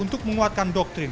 untuk menguatkan doktrin